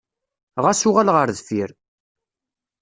Ɣas uɣal ɣer deffir.